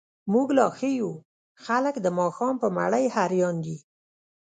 موږ ليا ښه يو، خلګ د ماښام په مړۍ هريان دي.